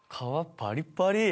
パリパリ